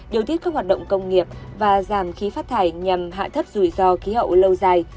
điều tiết các hoạt động công nghiệp và giảm khí phát thải nhằm hạ thấp rủi ro khí hậu lâu dài